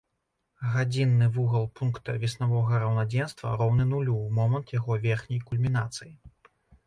Гадзінны вугал пункта веснавога раўнадзенства роўны нулю ў момант яго верхняй кульмінацыі.